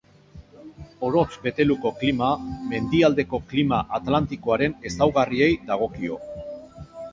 Orotz-Beteluko klima mendialdeko klima atlantikoaren ezaugarriei dagokio.